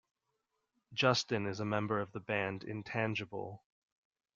Justin is a member of the band Intangible.